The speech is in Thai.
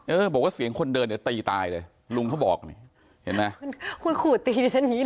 เออบอกว่าเสียงคนเดินแล้วตีตายเลย